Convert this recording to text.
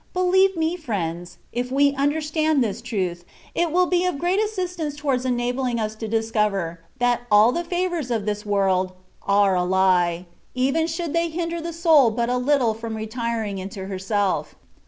Believe me, friends, if we understand this truth, it will be of great a^isistance towards enabling us to discover that all the favours of this world are a lie, even should they hinder the soul but a little from retiaing into herself.